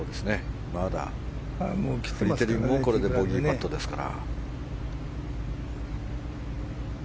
フリテリもこれでボギーパットですから。